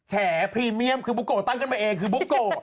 แพรีเมียมคือบุโกะตั้งขึ้นมาเองคือบุ๊กโก